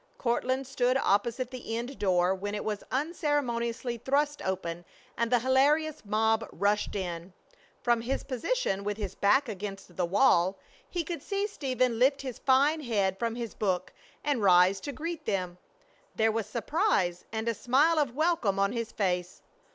Courtland stood opposite the end door when it was unceremoniously thrust open and the hilarious mob rushed in. From his position with his back against the wall he could see Stephen lift his fine head from his book and rise to greet them. There was surprise and a smile of welcome on his face.